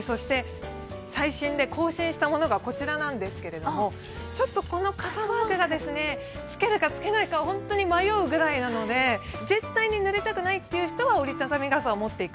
最新で更新したものがこちらですが、ちょっとこの傘マークがつけるか、つけないか本当に迷うぐらいなので、絶対にぬれたくないっていう人は折りたたみ傘を持って行く。